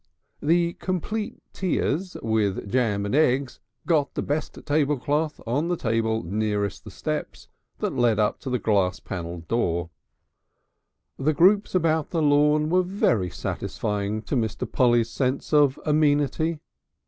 The complete tea ers with jam and eggs got the best tablecloth on the table nearest the steps that led up to the glass panelled door. The groups about the lawn were very satisfying to Mr. Polly's sense of amenity.